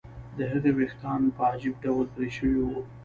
د هغه ویښتان په عجیب ډول پرې شوي وو